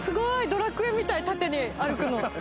『ドラクエ』みたい縦に歩くの。